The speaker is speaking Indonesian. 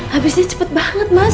habisnya cepet banget mas